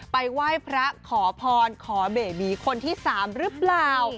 ไปไหว้พระขอพรขอเบบีคนที่๓หรือเปล่า